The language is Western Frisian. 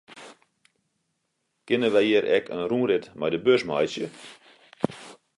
Kinne wy hjir ek in rûnrit mei de bus meitsje?